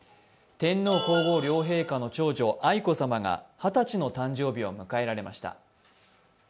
天皇・皇后両陛下の長女、愛子さまが二十歳の誕生日を迎えられました。